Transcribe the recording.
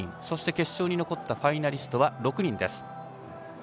そして決勝に残ったファイナリストは６人です。